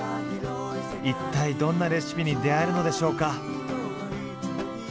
一体どんなレシピに出会えるのでしょうか？